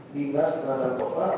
tinggal di madagokar